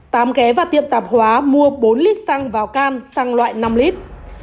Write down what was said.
tám ghé và tiệm tạp hóa mua bốn lít xăng vào can xăng loại năm lít